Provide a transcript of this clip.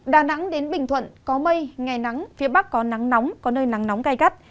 đà nẵng đến bình thuận có mây ngày nắng phía bắc có nắng nóng có nơi nắng nóng gai gắt